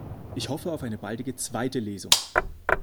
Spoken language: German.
Ich hoffe auf eine baldige zweite Lesung.